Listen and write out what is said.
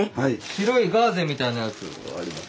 白いガーゼみたいなやつあります。